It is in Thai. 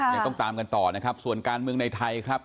ยังต้องตามกันต่อนะครับส่วนการเมืองในไทยครับ